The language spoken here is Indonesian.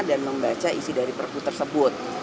dan membaca isi dari perpu tersebut